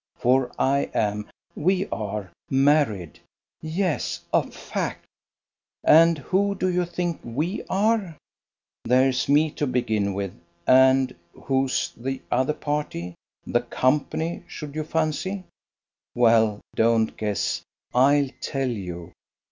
For I am we are married. Yes; a fact. And who do you think we are? There's me to begin with, and who's the other party, the "Co.," should you fancy? Well, don't guess. I'll tell you.